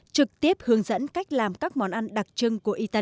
trực tiếp hướng dẫn cách làm các món ăn